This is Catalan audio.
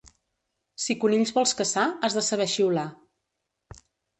Si conills vols caçar, has de saber xiular.